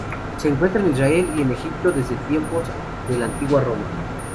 Se encuentra en Israel y en Egipto desde tiempos de la Antigua Roma.